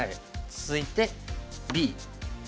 続いてＢ。